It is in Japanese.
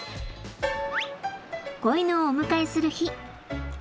子犬をお迎えする日。